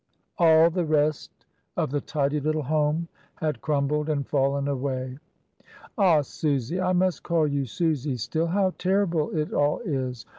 All the rest of the tidy little home had crumbled and fallen away. "Ah! Susy — I must call you Susy still — how ter rible it all is.